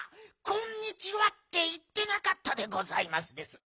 「こんにちは」っていってなかったでございますです。